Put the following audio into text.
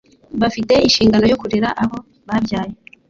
bafite inshingano yo kurera abo babyaye.